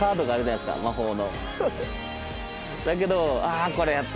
だけどあ。